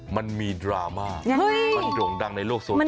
มันมีดราม่ามันโด่งดังในโลกโซเชียล